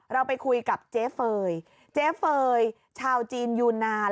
เราไปคุยกับเจ๊เฟย์เจ๊เฟย์ชาวจีนยูนาน